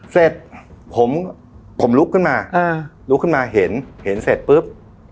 เสร็จผมลุกขึ้นมาเห็นเสร็จปุ๊บ